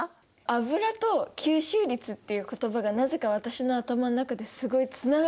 油と吸収率っていう言葉がなぜか私の頭の中ですごいつながってます。